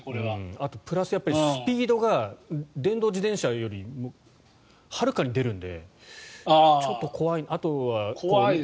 あと、プラススピードが電動自転車よりもはるかに出るのでちょっと怖いなと。